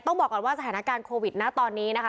บอกก่อนว่าสถานการณ์โควิดนะตอนนี้นะคะ